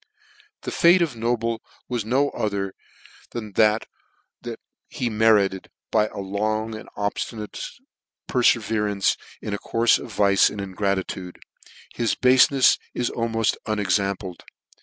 The fate of Noble was no other than what he merited by a long and obftinate perfeverance in a courfe of vice and ingratitude : his bafenefs is al moft unexampled.